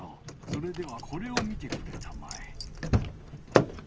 それではこれを見てくれたまえ。